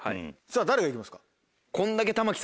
さぁ誰が行きますか？